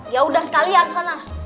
yaudah sekalian sana